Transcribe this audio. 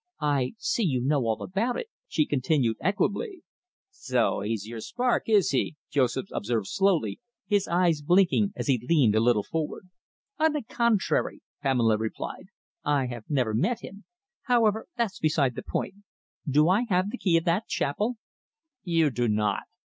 "I see you know all about it," she continued equably. "So he's your spark, is he?" Joseph observed slowly, his eyes blinking as he leaned a little forward. "On the contrary," Pamela replied, "I have never met him. However, that's beside the point. Do I have the key of that chapel?" "You do not."